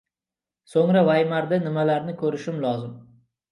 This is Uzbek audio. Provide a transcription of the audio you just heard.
So’ngra Vaymarda nimalarni ko’rishim lozim